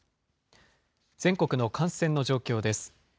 全国の感染の状況です。